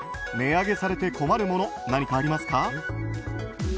値上げされて困るもの何かありますか？